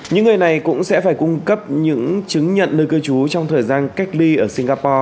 những người này cũng sẽ phải cung cấp những chứng nhận nơi cư trú trong thời gian cách ly ở singapore